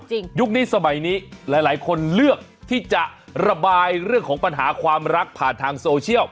ยุคนี้สมัยนี้หลายคนเลือกที่จะระบายเรื่องของปัญหาความรักผ่านทางโซเชียล